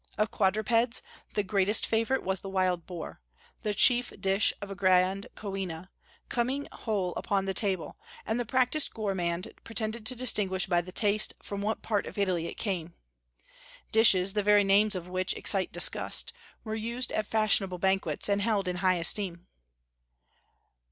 Of quadrupeds, the greatest favorite was the wild boar, the chief dish of a grand coena, coming whole upon the table; and the practised gourmand pretended to distinguish by the taste from what part of Italy it came. Dishes, the very names of which excite disgust, were used at fashionable banquets, and held in high esteem.